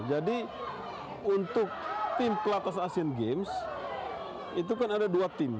jadi untuk tim pelatas asean games itu kan ada dua tim